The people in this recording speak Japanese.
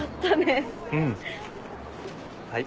はい。